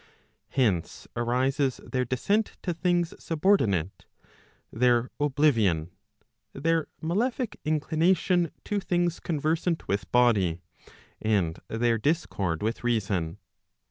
Hence arises their descent to things subor¬ dinate, their oblivion, their malefic inclination to things conversant with body, and their discord with reason.